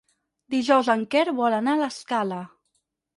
Dijous en Quer vol anar a l'Escala.